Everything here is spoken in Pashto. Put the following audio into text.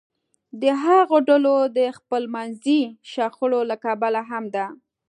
د هغو ډلو د خپلمنځي شخړو له کبله هم ده